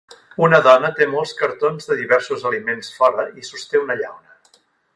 Una dona té molts cartons de diversos aliments fora i sosté una llauna.